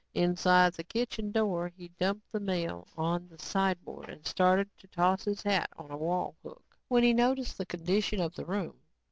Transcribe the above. Inside the kitchen door, he dumped the mail on the sideboard and started to toss his hat on a wall hook when he noticed the condition of the room.